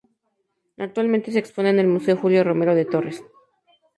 Actualmente se expone en el Museo Julio Romero de Torres.